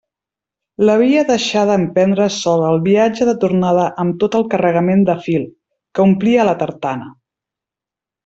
L'havia deixada emprendre sola el viatge de tornada amb tot el carregament de fil, que omplia la tartana.